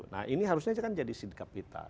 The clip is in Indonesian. nah ini harusnya jadi seed capital